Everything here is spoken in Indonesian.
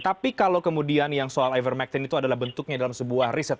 tapi kalau kemudian yang soal ivermectin itu adalah bentuknya dalam sebuah riset